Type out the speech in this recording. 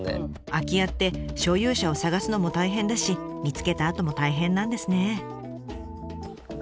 空き家って所有者を探すのも大変だし見つけたあとも大変なんですね。